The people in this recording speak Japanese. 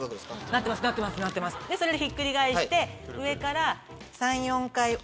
それでひっくり返して上から。